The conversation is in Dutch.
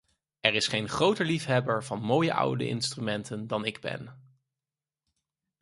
Er is geen groter liefhebber van mooie oude instrumenten dan ik ben.